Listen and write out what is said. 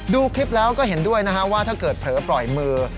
ดูคลิปแล้วก็เห็นด้วยนะฮะว่าถ้าเกิดเผลอปล่อยมือ